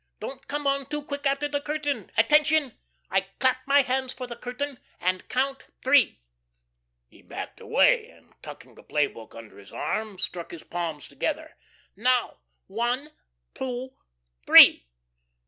Don't come on too quick after the curtain. Attention. I clap my hands for the curtain, and count three." He backed away and, tucking the play book under his arm, struck his palms together. "Now, one two _three.